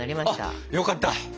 あよかった。